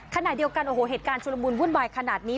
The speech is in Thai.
ขณะเดียวกันโอ้โหเหตุการณ์ชุลมุนวุ่นวายขนาดนี้